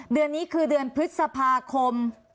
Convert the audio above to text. เดือนนี้คือเดือนพฤษภาคม